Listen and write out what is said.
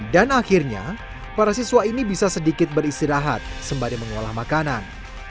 dan akhirnya para siswa ini bisa sedikit beristirahat sembari mengolah makanan